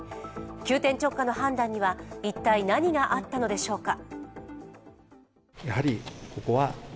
急転直下の判断には一体、何があったのでしょうか。